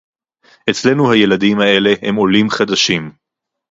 אצלנו הילדים האלה הם עולים חדשים